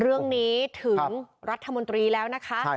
เรื่องนี้ถึงรัฐมนตรีแล้วนะคะ